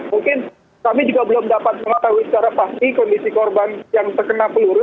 mungkin kami juga belum dapat mengetahui secara pasti kondisi korban yang terkena peluru